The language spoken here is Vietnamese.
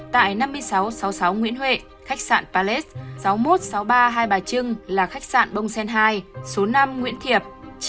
tại năm nghìn sáu trăm sáu mươi sáu nguyễn huệ khách sạn palet sáu nghìn một trăm sáu mươi ba hai bà trưng là khách sạn bông sen hai số năm nguyễn thiệp